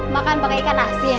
makan pakai ikan asin